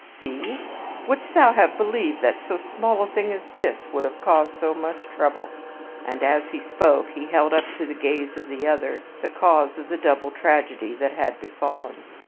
See! wouldst thou have believed that so small a thing as this would have caused so much trouble?" And as he spoke he held up to the gaze of the other the cause of the double tragedy that had befallen.